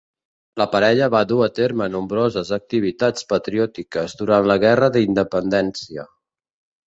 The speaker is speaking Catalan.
La parella va dur a terme nombroses activitats patriòtiques durant la Guerra d'Independència.